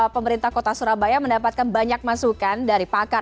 pemerintah kota surabaya mendapatkan banyak masukan dari pakar